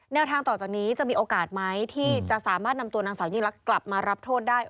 แนวทางต่อจากนี้จะมีโอกาสไหมที่จะสามารถนำตัวนางสาวยิ่งลักษณ์กลับมารับโทษได้